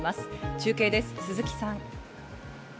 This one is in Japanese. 中継です、鈴木さん。